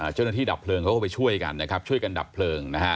เจ้าหน้าที่ดับเพลิงเข้าไปช่วยกันช่วยกันดับเพลิง